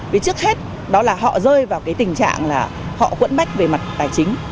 vì trước hết đó là họ rơi vào cái tình trạng là họ quẫn bách về mặt tài chính